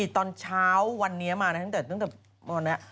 ตอนเช้าวันนี้มาตั้งแต่วันนี้